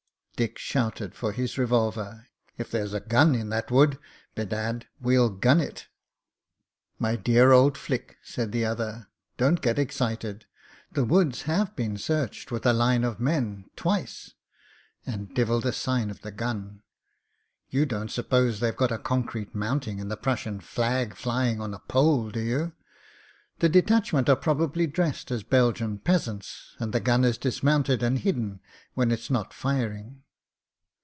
Dick shouted for his revolver. "If there's a gun in that wood, bedad! we'll gun it." "My dear old flick," said the other, "don't get excited. The woods have been searched with a line of men — ^twice; and devil the sign of the gun. You don't suppose they've got a concrete mounting and the THE MOTOR GUN 39 Prussian flag fl)ring on a pole, do you? The detach ment are probably dressed as Belgian peasants, and the g^un is dismounted and hidden when it's not fir mg.